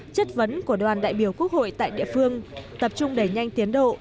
chất vấn của đoàn đại biểu quốc hội tại địa phương tập trung đẩy nhanh tiến độ